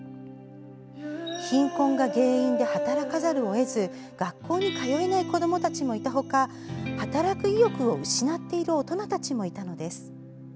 貧困が原因で働かざるを得ず学校に通えない子どもたちもいた他働く意欲を失っている大人たちもいたのです。